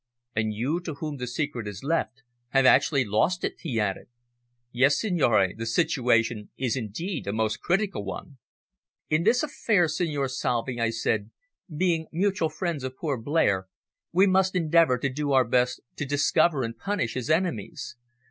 "And you, to whom the secret is left, have actually lost it!" he added. "Yes, signore, the situation is indeed a most critical one." "In this affair, Signor Salvi," I said, "being mutual friends of poor Blair, we must endeavour to do our best to discover and punish his enemies.